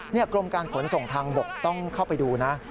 นี่กรมการขนส่งทางบกต้องเข้าไปดูนะ